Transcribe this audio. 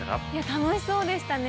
◆楽しそうでしたね。